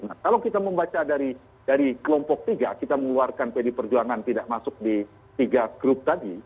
nah kalau kita membaca dari kelompok tiga kita mengeluarkan pd perjuangan tidak masuk di tiga grup tadi